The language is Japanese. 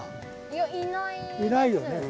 いないよね。